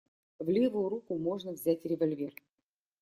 В левую руку можно взять револьвер.